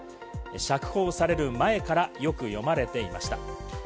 釈放される前からよく読まれていました。